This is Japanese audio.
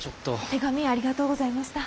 手紙ありがとうございました。